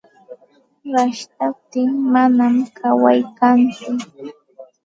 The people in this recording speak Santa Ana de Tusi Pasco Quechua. Rashtaptin manam kaway kantsu.